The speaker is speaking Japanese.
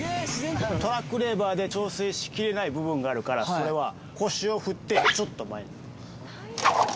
トラックレバーで調整しきれない部分があるから、それは腰を振って、ちょっと前に。